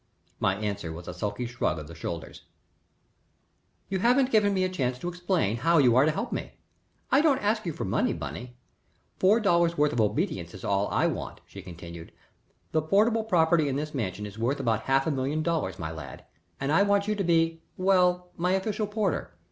'" My answer was a sulky shrug of the shoulders. "You haven't given me a chance to explain how you are to help me. I don't ask you for money, Bunny. Four dollars' worth of obedience is all I want," she continued. "The portable property in this mansion is worth about half a million dollars, my lad, and I want you to be well, my official porter.